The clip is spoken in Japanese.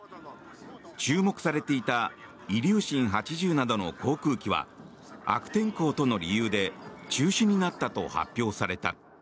注目されていたイリューシン８０などの航空機は悪天候との理由で中止になったと発表された。